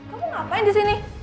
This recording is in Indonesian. kamu ngapain disini